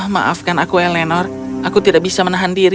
maafkan aku eleanor aku tidak bisa menahan diri